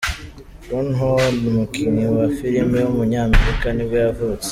Ron Howard, umukinnyi wa filime w’umunyamerika nibwo yavutse.